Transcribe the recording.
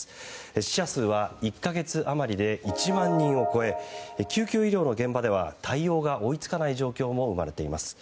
死者数は１か月余りで１万人を超え救急医療の現場では対応が追い付かない状況も生まれています。